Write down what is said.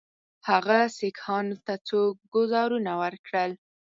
هغه سیکهانو ته څو ګوزارونه ورکړل.